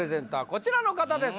こちらの方です